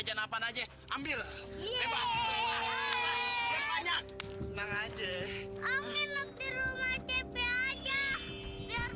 sampai jumpa di video selanjutnya